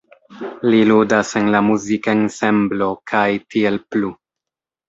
Li ludas en la muzik-ensemblo Kaj Tiel Plu.